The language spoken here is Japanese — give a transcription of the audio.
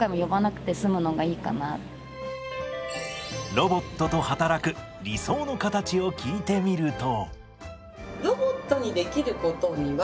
ロボットと働く理想の形を聞いてみると。